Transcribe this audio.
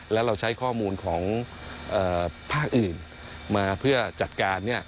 แล้วเราใช้ข้อมูลของภาคอื่นมาเพื่อจัดการ